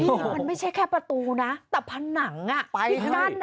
มันไม่ใช่แค่ประตูนะแต่ผนังที่ด้านน่ะ